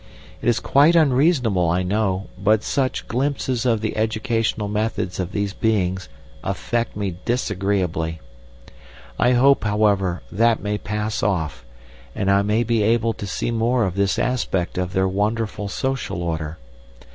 It is quite unreasonable, I know, but such glimpses of the educational methods of these beings affect me disagreeably. I hope, however, that may pass off, and I may be able to see more of this aspect of their wonderful social order.